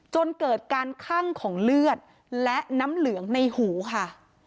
จนเกิดการคั่งของเลือดและน้ำเหลืองในหูค่ะ